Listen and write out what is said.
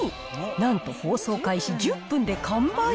なんと放送開始１０分で完売？